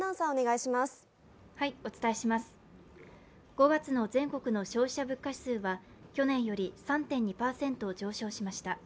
５月の全国の消費者物価指数は去年より３．２％上昇しました。